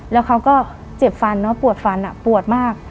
แล้วเขาก็เจ็บฟันเนอะปวดฟันปวดมาก